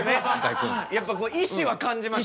やっぱ意志は感じました。